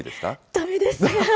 だめです。